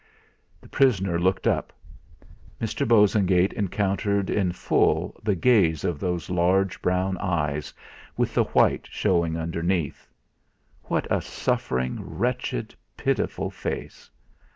The prisoner looked up. Mr. Bosengate encountered in full the gaze of those large brown eyes, with the white showing underneath. What a suffering, wretched, pitiful face!